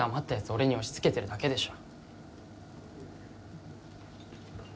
俺に押し付けてるだけでしょ？